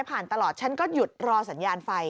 ตลอดฉันก็หยุดรอสัญญาณไฟ